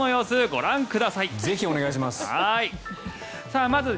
ぜひお願いします。